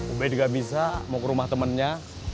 ubed gak bisa mau ke rumah temennya